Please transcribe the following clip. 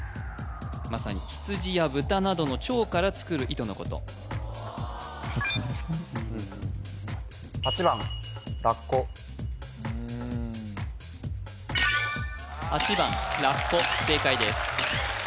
まさに羊や豚などの腸から作る糸のことうんうん８番ラッコ正解です